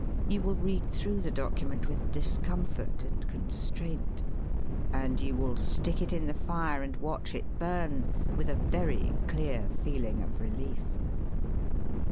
You will read through the document with discomfort and constraint. And you will stick it in the fire and watch it burn with a very clear feeling of relief.